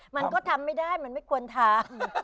มันก็ทำไม่ได้มันไม่ควรทำ